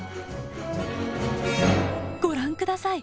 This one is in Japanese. ご覧ください